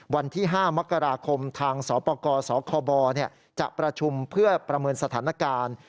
วันที่๕มกราคมทางสปกสคบจะประชุมเพื่อประเมินสถานการณ์